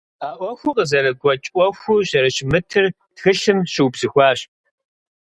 А Ӏуэхур къызэрыгуэкӀ Ӏуэхуу зэрыщымытыр тхылъым щыубзыхуащ.